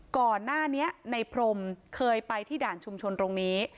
ก่อนหน้านี้ในพรมเคยไปที่ด่านชุมชนตรงนี้